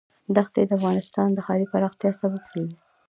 دښتې د افغانستان د ښاري پراختیا سبب کېږي.